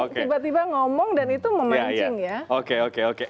tiba tiba ngomong dan itu memancing ya